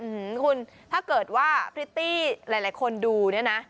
อืมคุณถ้าเกิดว่าพริตตี้หลายคนดูเนี่ยนะ